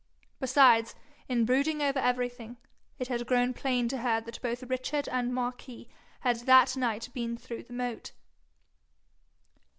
Besides, in brooding over everything, it had grown plain to her that both Richard and Marquis had that night been through the moat.